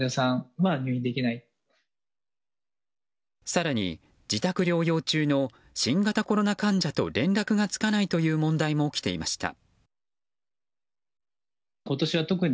更に自宅療養中の新型コロナ患者と連絡がつかないという問題も起きていました。